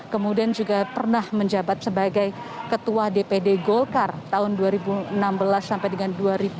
kemudian juga pernah menjabat sebagai ketua dpd golkar tahun dua ribu enam belas sampai dengan dua ribu sembilan belas